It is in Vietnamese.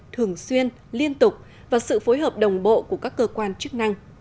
thường xuyên liên tục và sự phối hợp đồng bộ của các cơ quan chức năng